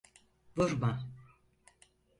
Vurma!